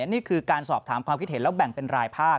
นี่คือการสอบถามความคิดเห็นแล้วแบ่งเป็นรายภาพ